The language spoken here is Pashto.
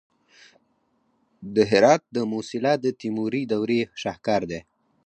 د هرات د موسیلا د تیموري دورې شاهکار دی